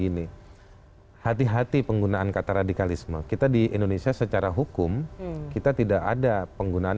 ini hati hati penggunaan kata radikalisme kita di indonesia secara hukum kita tidak ada penggunaan